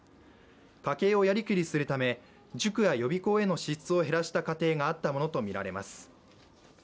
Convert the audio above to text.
家計をやりくりするため塾や予備校への支出を減らした家庭があったものとみられます。